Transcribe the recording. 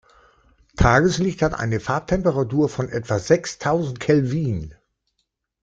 Tageslicht hat eine Farbtemperatur von etwa sechstausend Kelvin.